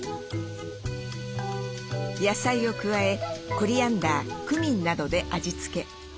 野菜を加えコリアンダークミンなどで味付け。